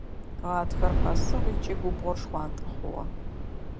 Гъатхэр къэсыгъ ыкӏи губгъор шхъуантӏэ хъугъэ.